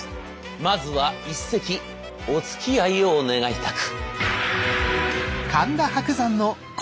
まずは一席おつきあいを願いたく。